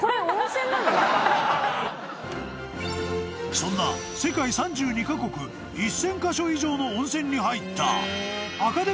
［そんな世界３２カ国１，０００カ所以上の温泉に入った］